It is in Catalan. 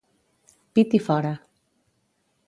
Pit i fora.